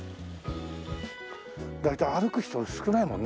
大体歩く人少ないもんね。